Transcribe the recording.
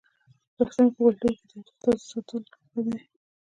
د پښتنو په کلتور کې د اودس تازه ساتل ښه دي.